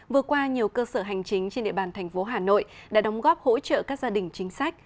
vừa qua nhiều cơ sở hành chính trên địa bàn thành phố hà nội đã đóng góp hỗ trợ các gia đình chính sách